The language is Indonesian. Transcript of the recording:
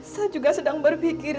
saya juga sedang berpikir